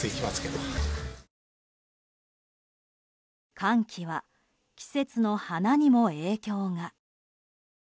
寒気は、季節の花にも影響が。